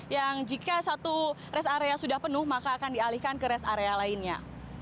yang jika satu rest area sudah penuh maka akan dialihkan ke rest area lainnya